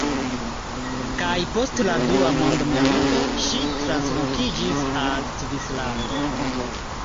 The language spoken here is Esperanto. Kaj post la dua mondmilito, ŝi translokiĝis al Svislando.